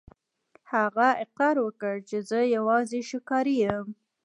هغه اقرار وکړ چې زه یوازې ښکاري یم.